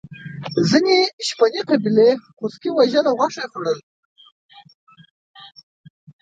ځینې شپنې قبیلې خوسکي وژل او غوښه یې خوړله.